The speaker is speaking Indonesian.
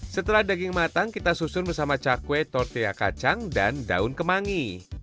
setelah daging matang kita susun bersama cakwe tortilla kacang dan daun kemangi